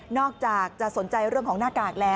อกจากจะสนใจเรื่องของหน้ากากแล้ว